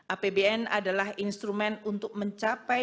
apbn adalah instrumen untuk mencapai